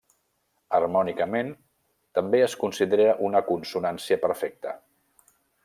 Harmònicament també es considera una consonància perfecta.